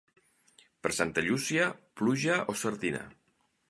Per Santa Llúcia, pluja o sardina.